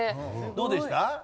どうでした？